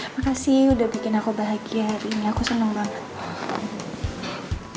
makasih udah bikin aku bahagia hari ini aku senang banget